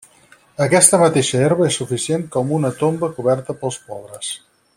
Aquesta mateixa herba és suficient com una tomba coberta pels pobres.